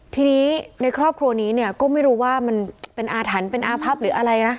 ทีนี้ในครอบครัวนี้เนี่ยก็ไม่รู้ว่ามันเป็นอาถรรพ์เป็นอาพับหรืออะไรนะ